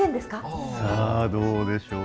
ああさあどうでしょう？